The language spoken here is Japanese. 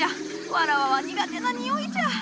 わらわは苦手な臭いじゃ。